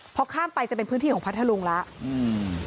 พอข้ามไปจะเป็นพื้นที่ของพัทธรุงแล้วอืม